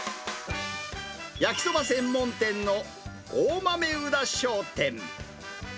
焼きそば専門店の大豆生田商店。